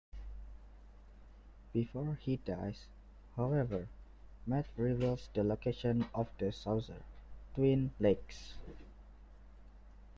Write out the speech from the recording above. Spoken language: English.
Before he dies, however, Matt reveals the location of the saucer: Twin Lakes.